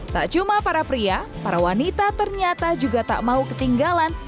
tak cuma para pria para wanita ternyata juga tak mau ketinggalan